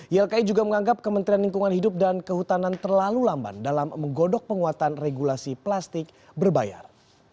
ylki juga menganggap kementerian lingkungan hidup dan kehutanan terlalu lamban dalam menggodok penguatan regulasi plastik berbayar